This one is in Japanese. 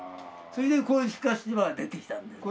それでこういう透かしは出てきたんです。